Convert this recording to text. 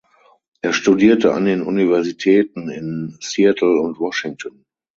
Er studierte an den Universitäten in Seattle und Washington.